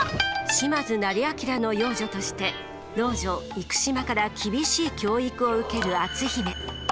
島津斉彬の養女として老女幾島から厳しい教育を受ける篤姫。